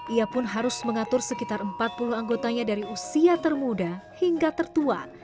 ia pun harus mengatur sekitar empat puluh anggotanya dari usia termuda hingga tertua